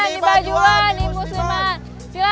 di bajuan di musliman di bajuan di musliman